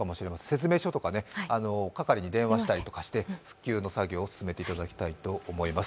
説明書とか係に電話したりとかして復旧の作業を進めていただきたいと思います。